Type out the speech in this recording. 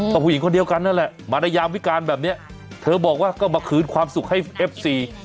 ก็ผู้หญิงคนเดียวกันนั่นแหละมาในยามวิการแบบนี้เธอบอกว่าก็มาคืนความสุขให้เอฟซี